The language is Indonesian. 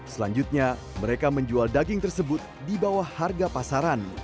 selanjutnya mereka menjual daging tersebut di bawah harga pasaran